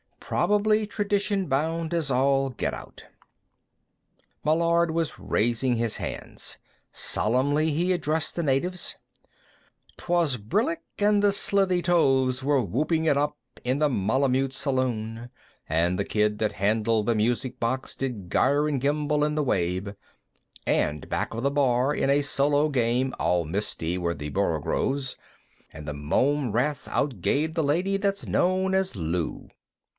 Probably tradition bound as all get out. Meillard was raising his hands; solemnly he addressed the natives: "'Twas brillig and the slithy toves were whooping it up in the Malemute Saloon, and the kid that handled the music box did gyre and gimble in the wabe, and back of the bar in a solo game all mimsy were the borogoves, and the mome raths outgabe the lady that's known as Lou."